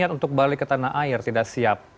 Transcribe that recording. ada niat untuk balik ke tanah air tidak siap